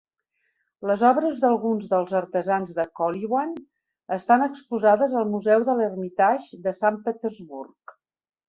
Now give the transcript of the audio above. Les obres d'alguns dels artesans de Kolyvan estan exposades al Museu de l'Hermitage de Sant Petersburg.